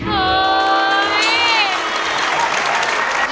โอ้ย